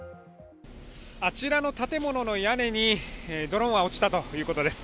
あちらの建物の屋根にドローンは落ちたということです。